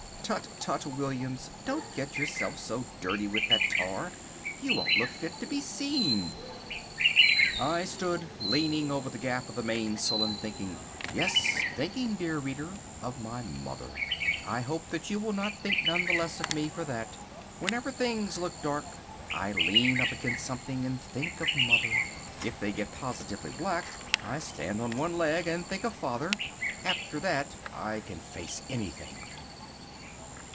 Tut, tut, Williams, don't get yourself so dirty with that tar, you won't look fit to be seen." I stood leaning over the gaff of the mainsail and thinking—yes, thinking, dear reader, of my mother. I hope that you will think none the less of me for that. Whenever things look dark, I lean up against something and think of mother. If they get positively black, I stand on one leg and think of father. After that I can face anything.